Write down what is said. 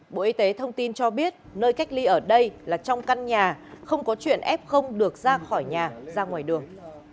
bộ y tế thông tin cho biết nơi cách ly ở đây là trong căn nhà không có chuyện f được ra khỏi nhà ra ngoài đường